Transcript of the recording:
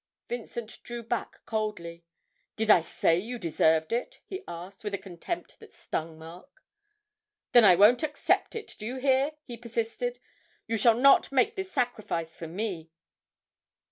Vincent drew back coldly: 'Did I say you deserved it?' he asked, with a contempt that stung Mark. 'Then I won't accept it, do you hear?' he persisted; 'you shall not make this sacrifice for me!'